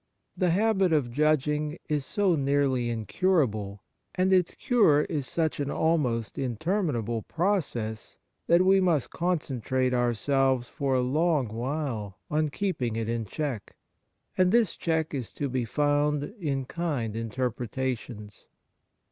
The habit of judging is so nearly incurable, and its cure is such an almost interminable process, that we must concentrate ourselves for a long while on keeping it in check, and this check is to be found in kind inter pretations.